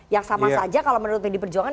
yang sama saja kalau menurut pdi perjuangan